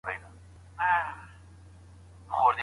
کمپل بې تودوخي نه وي.